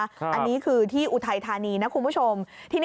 อันนี้คือที่อุทัยธานีนะคุณผู้ชม